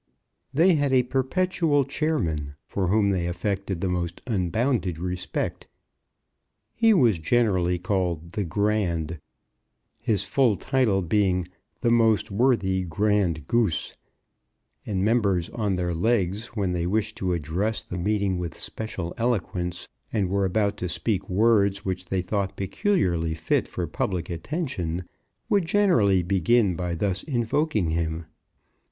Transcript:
They had a perpetual chairman, for whom they affected the most unbounded respect. He was generally called "The Grand," his full title being "The Most Worthy Grand Goose;" and members on their legs, when they wished to address the meeting with special eloquence, and were about to speak words which they thought peculiarly fit for public attention, would generally begin by thus invoking him.